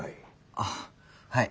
ああはい。